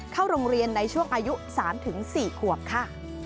เข้าโรงเรียนในช่วงอายุ๓๔ขวบค่ะ